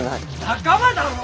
仲間だろ！